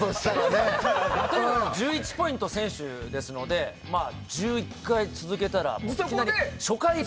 １１ポイント先取ですので１１回、続けたらいきなり初回で。